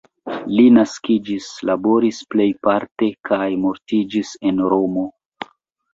Li naskiĝis, laboris plejparte kaj mortiĝis en Romo.